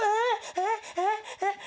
え⁉えっえっ。